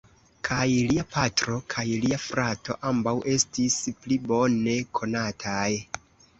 Kaj lia patro kaj lia frato ambaŭ estis pli bone konataj.